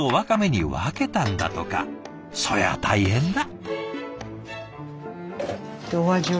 そりゃあ大変だ。